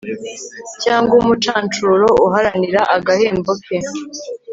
cyangwa umucancuro uharanira agahembo ke